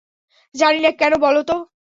জানি না, কেন বলত?